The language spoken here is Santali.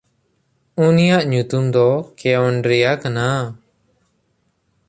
ᱩᱱᱤᱭᱟᱜ ᱧᱩᱛᱩᱢ ᱫᱚ ᱠᱮᱣᱱᱰᱨᱮᱭᱟ ᱠᱟᱱᱟ᱾